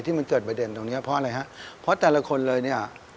ที่เกิดประเด็นตรงนี้เพราะอะไรนะพอแต่ละคนเลย